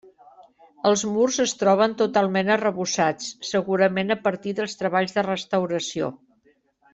Els murs es troben totalment arrebossats, segurament a partir dels treballs de restauració.